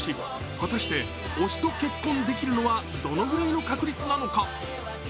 果たして、推しと結婚できるのはどのくらいの確率なのか。